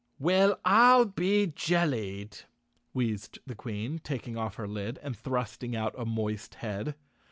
"Well, I'll be jellied!" wheezed the Queen, taking off her lid and thrusting out a moist head.